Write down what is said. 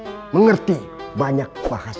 dan juga mengerti banyak bahasa